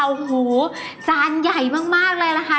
โอ้โหจานใหญ่มากเลยล่ะค่ะ